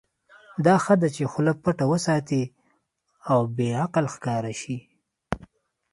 دا ښه ده چې خوله پټه وساتې او بې عقل ښکاره شې.